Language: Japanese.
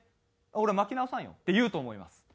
「俺巻き直さんよ？」って言うと思います。